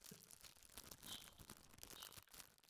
通常由女方在情人节当天赠送。